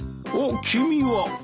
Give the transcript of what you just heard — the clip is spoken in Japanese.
おっ君は。